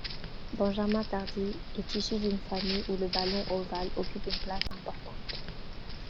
Benjamin Tardy est issu d'une famille où le ballon ovale occupe une place importante.